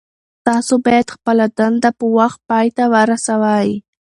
تاسو باید خپله دنده په وخت پای ته ورسوئ.